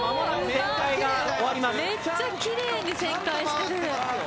めっちゃきれいに旋回してる。